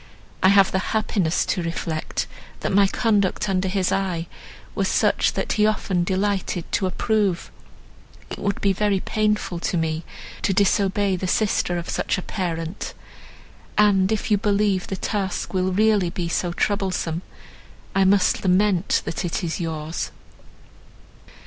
I have the happiness to reflect, that my conduct under his eye was such as he often delighted to approve. It would be very painful to me to disobey the sister of such a parent, and, if you believe the task will really be so troublesome, I must lament, that it is yours."